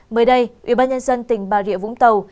mới đây ubnd tỉnh bà rịa vũng tàu